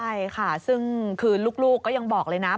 ใช่ค่ะซึ่งคือลูกก็ยังบอกเลยนะ